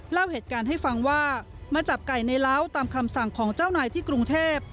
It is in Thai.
เล่าเหตุการณ์ให้ฟังว่ามาจับไก่ในเล้าตามคำสั่งของเจ้านายที่กรุงเทพ